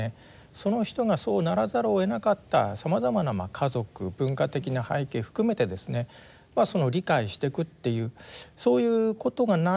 その人がそうならざるをえなかったさまざまな家族文化的な背景含めてですね理解してくっていうそういうことがないとですね